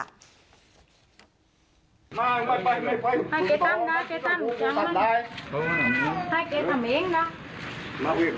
คุณผู้ชมไปดูคลิปต้นเรื่องกันกันก่อนค่ะ